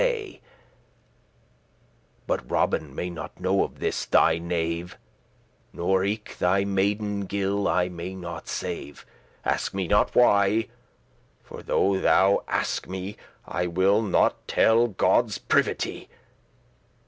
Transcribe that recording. *early morning But Robin may not know of this, thy knave*, *servant Nor eke thy maiden Gill I may not save: Ask me not why: for though thou aske me I will not telle Godde's privity.